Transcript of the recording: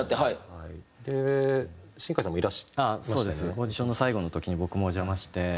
オーディションの最後の時に僕もお邪魔して。